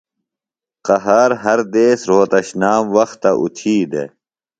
قہار ہر دیس روھوتشنام وختہ اُتھی دےۡ۔